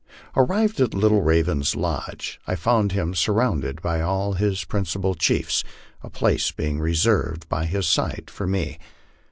Arrived at Little Raven's lodge, I found him surrounded by all his princi pal chiefs, a place being reserved by his side for me.